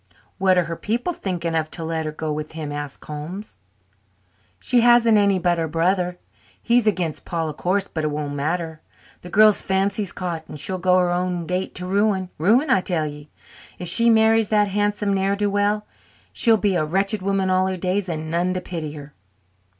"What are her people thinking of to let her go with him?" asked Holmes. "She hasn't any but her brother. He's against Paul, of course, but it won't matter. The girl's fancy's caught and she'll go her own gait to ruin. Ruin, I tell ye. If she marries that handsome ne'er do well, she'll be a wretched woman all her days and none to pity her."